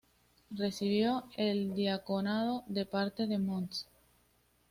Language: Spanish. Recibió el diaconado de parte de Mons.